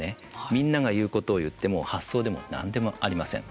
みんなが言うことを言っても発想でも何でもありません。